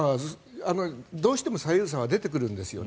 どうしても左右差は出てくるんですよね。